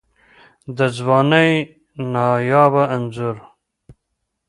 د ځوانۍ نایابه انځور